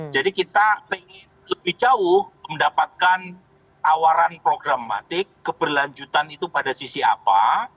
jadi kita lebih jauh mendapatkan tawaran programmatik keberlanjutan itu pada sisi apa